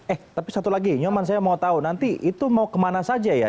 eh tapi satu lagi nyoman saya mau tahu nanti itu mau kemana saja ya